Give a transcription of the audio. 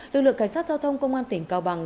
lực lượng cảnh sát giao thông công an tỉnh cao bằng